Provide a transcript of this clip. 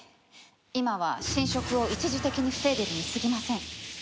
今は侵食を一時的に防いでいるにすぎません。